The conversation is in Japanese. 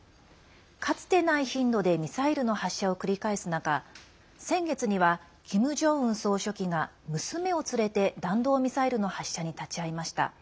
かつてない頻度でミサイルの発射を繰り返す中先月にはキム・ジョンウン総書記が娘を連れて弾道ミサイルの発射に立ち会いました。